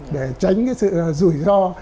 để tránh cái sự rủi ro